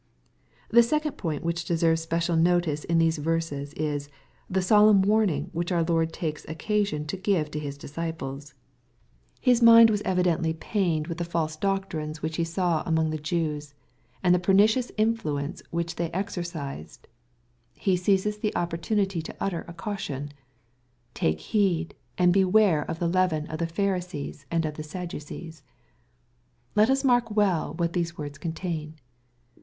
The second point which deserves special notice in these verses is, the solemn warning which our Lord takes occa sion to give to His disciples. His mind was evidently 190 XXPOSITOBT THOUGHTS. pained with the false doctrines which He saw among the Jews, and the pernicious influence which they exercised. He seizes the opportunity to utter a caution. ^^ Take heed, and beware of the leaven of the Pharisees and of tbt Sadducees/' Let us mark well what those words contain.